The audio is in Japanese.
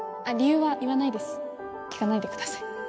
あっ理由は言わないです聞かないでください